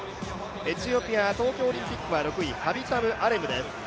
エチオピア東京オリンピックは６位アレムです。